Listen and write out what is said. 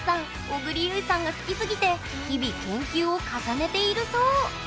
小栗有以さんが好きすぎて日々研究を重ねているそう。